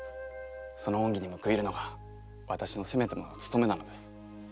その恩義に報いるのが私のせめてもの務めなのです。